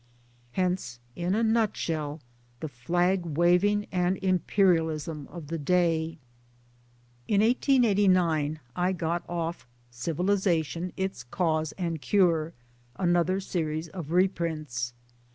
Hence in a nutshell the flag waving and Imperialism of the day. In 1889 I got off Civilization: Its Cause and Care another series of reprints.